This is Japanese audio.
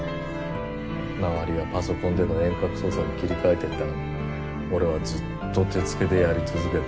周りはパソコンでの遠隔操作に切り替えてったのに俺はずっと手付けでやり続けた。